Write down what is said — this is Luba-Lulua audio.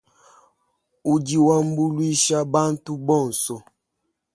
Udi wambuluisha bantu bonso.